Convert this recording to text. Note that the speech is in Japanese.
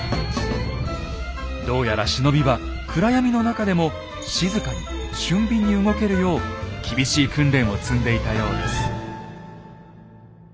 どうやら忍びは暗闇の中でも静かに俊敏に動けるよう厳しい訓練を積んでいたようです。